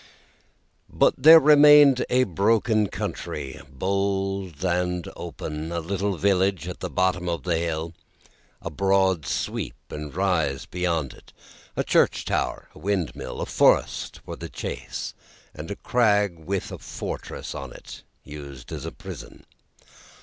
But, there remained a broken country, bold and open, a little village at the bottom of the hill, a broad sweep and rise beyond it, a church tower, a windmill, a forest for the chase, and a crag with a fortress on it used as a prison.